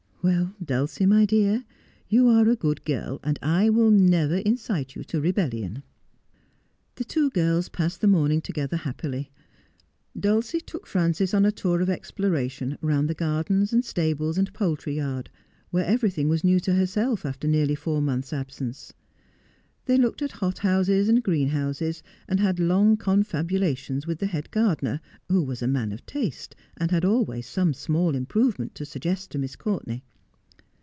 Well, Dulcie, my dear, you are a good girl, and I vill never incite you to rebellion.' The two girls passed the morning together happily. Dulcie took Frances on a tour of exploration round the gardens and 20 4 Just as I Am. stables and poultry yard, where everything was new to herself after nearly four months' absence. They looked at hothouses and greenhouses, and had long confabulations with the head gardener, who was a man of taste, and had always some small improvement to suggest to Miss Courtenay.